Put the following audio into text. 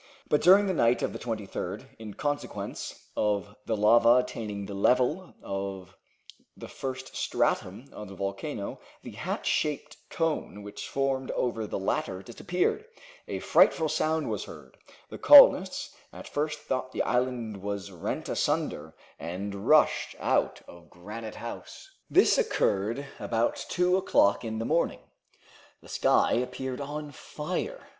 But during the night of the 23rd, in consequence of the lava attaining the level of the first stratum of the volcano, the hat shaped cone which formed over the latter disappeared. A frightful sound was heard. The colonists at first thought the island was rent asunder, and rushed out of Granite House. This occurred about two o'clock in the morning. The sky appeared on fire.